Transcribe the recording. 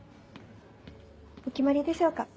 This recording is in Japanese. お決まりでしょうか？